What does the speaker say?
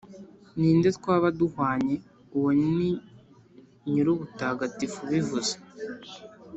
Ni nde twaba duhwanye ?» Uwo ni Nyir’ubutagatifu ubivuze.